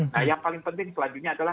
nah yang paling penting selanjutnya adalah